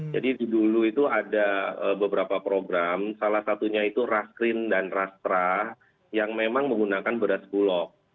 jadi dulu itu ada beberapa program salah satunya itu raskin dan rastra yang memang menggunakan beras bulog